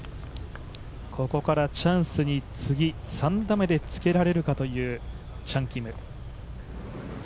ここからチャンスに次、３打目でつけられるかというチャン・キム。